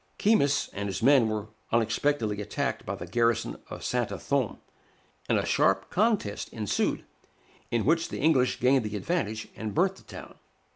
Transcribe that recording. Keymis and his men were unexpectedly attacked by the garrison of Santa Thome, and a sharp contest ensued, in which the English gained the advantage, and burnt the town.